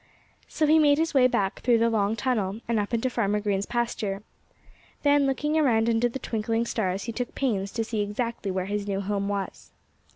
So he made his way back through the long tunnel, and up into Farmer Green's pasture. Then, looking around under the twinkling stars, he took pains to see exactly where his new home was.